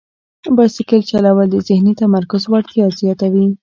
بایسکل چلول د ذهني تمرکز وړتیا زیاتوي.